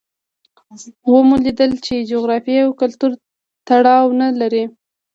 ومو لیدل چې جغرافیې او کلتور تړاو نه لري.